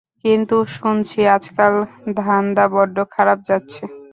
কিন্তু শুনছি আজকাল ধান্ধা বড্ড খারাপ যাচ্ছে।